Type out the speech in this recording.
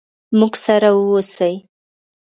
موږ سره ووسئ.